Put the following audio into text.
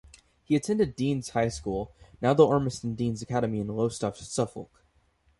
He attended Denes High School, now the Ormiston Denes Academy in Lowestoft, Suffolk.